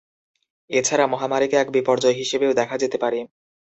এছাড়া, মহামারীকে এক বিপর্যয় হিসেবেও দেখা যেতে পারে।